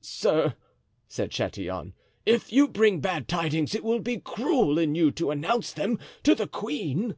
"Sir," said Chatillon, "if you bring bad tidings it will be cruel in you to announce them to the queen."